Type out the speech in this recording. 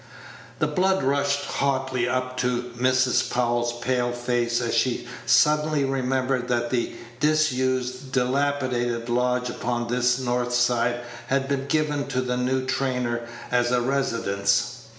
The blood rushed hotly up to Mrs. Powell's pale face as she suddenly remembered that the disused, dilapidated lodge upon this north side had been given to the new trainer as a residence.